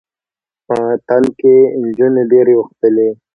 په اتڼ کې جونې ډیرې اوښتلې